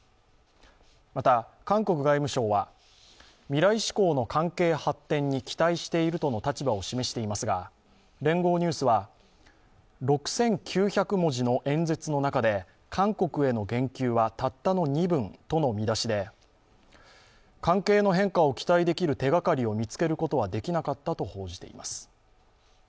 また、韓国外務省は、未来志向の関係発展に期待しているとの立場を示していますが、聯合ニュースは、６９００文字の演説の中で韓国への言及はたったの２文との見出しで、関係の変化を期待できる手掛かりは見つけることができなかったと報じています。